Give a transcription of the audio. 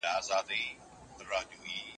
زه به سبا لوبه وکړم؟!